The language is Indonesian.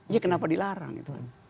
ya kenapa dilarang gitu kan